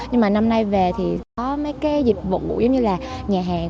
nhưng mà năm nay về thì có mấy cái dịch vụ như là nhà hàng